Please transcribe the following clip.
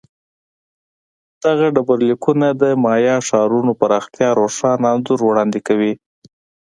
دغه ډبرلیکونه د مایا ښارونو پراختیا روښانه انځور وړاندې کوي